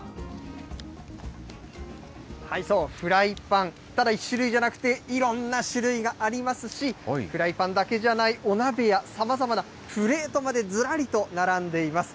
そう、フライパン、ただ１種類じゃなくて、いろんな種類がありますし、フライパンだけじゃない、お鍋や、さまざまなプレートまでずらりと並んでいます。